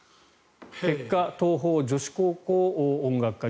結果、桐朋女子高校音楽科。